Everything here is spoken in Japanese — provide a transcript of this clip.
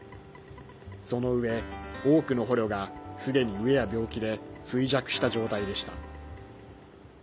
そのうえ、多くの捕虜がすでに飢えや病気で衰弱した状態でした。